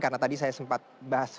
karena tadi saya sempat bahas